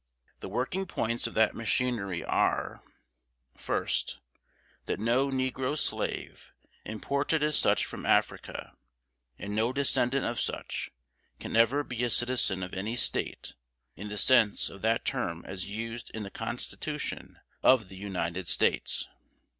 The working points of that machinery are, First, That no negro slave, imported as such from Africa, and no descendant of such, can ever be a citizen of any State, in the sense of that term as used in the Constitution of the United States.